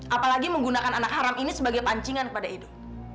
apalagi menggunakan anak haram ini sebagai pancingan kepada edo